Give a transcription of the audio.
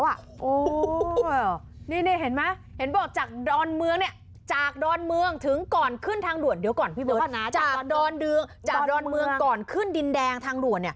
วงหนวดนี่มันไม่ไกลมาก